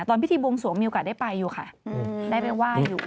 ตอนพิธีบวงสวงมีโอกาสได้ไปอยู่ค่ะได้ไปไหว้อยู่